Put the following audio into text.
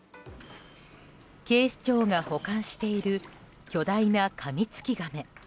警視庁が保管している巨大なカミツキガメ。